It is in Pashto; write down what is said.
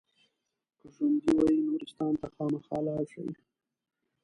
که ژوندي وئ نورستان ته خامخا لاړ شئ.